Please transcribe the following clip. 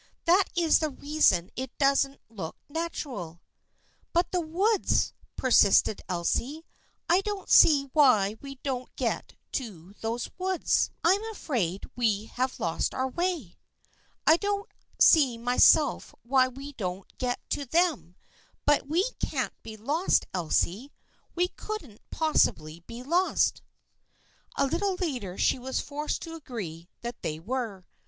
That is the rea son it doesn't look natural." " But the woods," persisted Elsie ;" I don't see why we don't get to those woods. I am afraid we have lost our way." " I don't see myself why we don't get to them, but we can't be lost, Elsie. We couldn't possibly be lost." A little later she was forced to agree that they were.